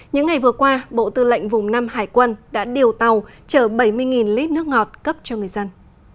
những ngày vừa qua bộ tư lệnh vùng năm hải quân đã điều tàu chở bảy mươi lít nước ngọt cấp cho người dân